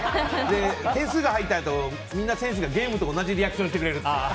点数が入っていないと選手がゲームと同じリアクションしてくれるっていう。